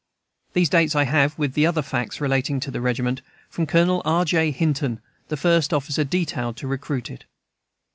These dates I have (with the other facts relating to the regiment) from Colonel R. J. Hinton, the first officer detailed to recruit it.